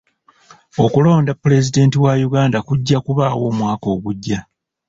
Okulonda pulezidenti wa Uganda kujja kubaawo omwaka ogujja.